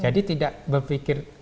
jadi tidak berpikir